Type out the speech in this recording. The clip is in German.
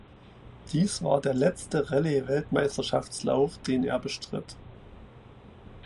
Dies war der letzte Rallye-Weltmeisterschaftslauf den er bestritt.